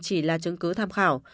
chỉ là chứng cứ tham khảo